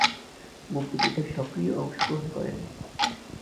মুক্তিযুদ্ধে সক্রিয় অংশগ্রহণ করেন।